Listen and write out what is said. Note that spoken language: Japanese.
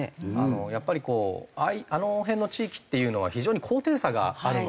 やっぱりあの辺の地域っていうのは非常に高低差があるので。